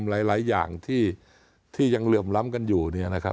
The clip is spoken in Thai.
หลายอย่างที่ยังเหลื่อมล้ำกันอยู่